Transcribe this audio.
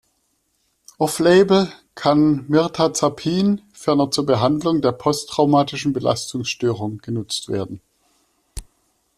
Off-Label kann Mirtazapin ferner zur Behandlung der posttraumatischen Belastungsstörung genutzt werden.